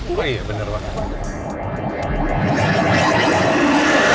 oh iya bener banget